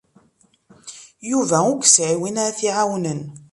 Yuba ur yesɛi win ara t-iɛawnen.